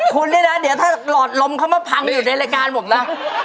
คุณดินะเดี๋ยวถ้าลอดลมเข้ามาพังอยู่ในรายการผมนะ